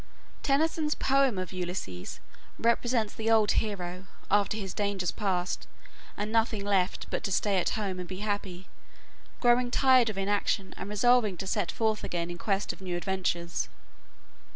Tennyson's poem of "Ulysses" represents the old hero, after his dangers past and nothing left but to stay at home and be happy, growing tired of inaction and resolving to set forth again in quest of new adventures.